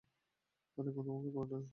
আর এখন তোকে গার্টেনে শুতে হবে।